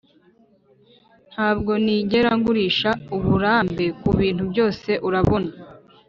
ntabwo nigera ngurisha uburambe kubintu byose, urabona.